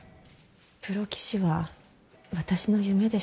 プロ棋士は私の夢でした。